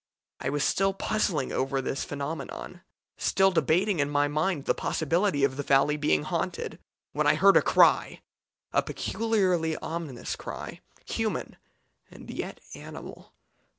I was still puzzling over this phenomenon, still debating in my mind the possibility of the valley being haunted, when I heard a cry a peculiarly ominous cry human and yet animal.